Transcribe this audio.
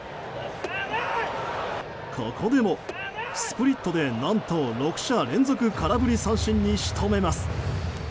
ここでもスプリットで何と６者連続空振り三振に仕留めます。